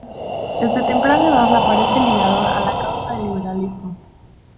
Desde temprana edad aparece ligado a la causa del liberalismo.